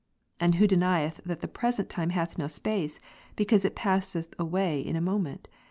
And who denieth that the present time hath no space, because it passeth away in a moment?